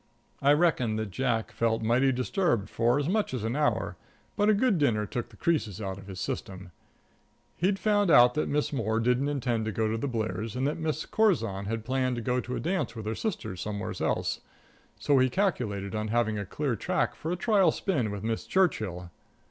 I reckon that Jack felt mighty disturbed for as much as an hour, but a good dinner took the creases out of his system. He'd found that Miss Moore didn't intend to go to the Blairs', and that Miss Curzon had planned to go to a dance with her sister somewheres else, so he calculated on having a clear track for a trial spin with Miss Churchill.